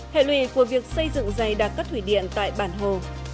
hệ luyện của việc xây dựng dây đặc cất thủy điện tại bản hồ